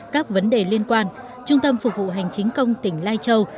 các vấn đề liên quan trung tâm phục vụ hành chính công tỉnh lai châu